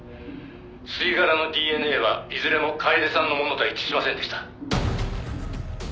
「吸い殻のＤＮＡはいずれも楓さんのものと一致しませんでした」